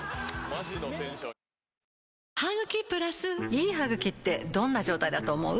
いい歯ぐきってどんな状態だと思う？